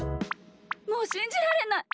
もうしんじられない！